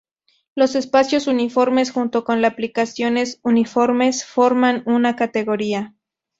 Los espacios uniformes, junto con las aplicaciones uniformes, forman una categoría.